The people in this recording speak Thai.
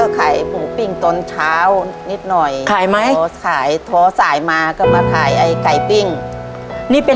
ทับผลไม้เยอะเห็นยายบ่นบอกว่าเป็นยังไงครับ